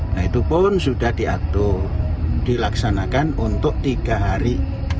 nah itu pun sudah diatur dilaksanakan untuk tiga hari